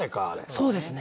そうですね。